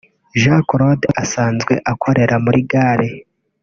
Jean Claude asanzwe akorera muri Gare